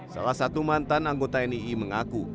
salah satu mantan anggota nii mengaku